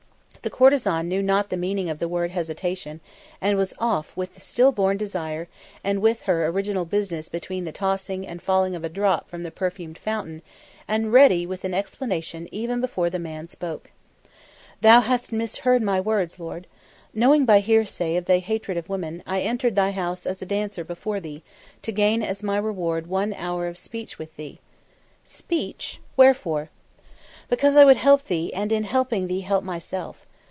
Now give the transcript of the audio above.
The courtesan knew not the meaning of the word hesitation, and was off with the still born desire and on with her original business between the tossing and falling of a drop from the perfumed fountain and ready with an explanation even before the man spoke. "Thou hast misheard my words, lord. Knowing by hearsay of thy hatred of women, I entered thy house as dancer before thee, to gain as my reward one hour of speech with thee." "Speech? Wherefore? "Because I would help thee, and in helping thee help myself."